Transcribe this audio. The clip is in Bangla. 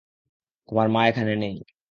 তোমার মা এখানে নেই।